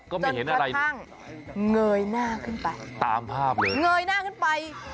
จนกระพังเงยหน้าขึ้นไปตามภาพเลยเงยหน้าขึ้นไป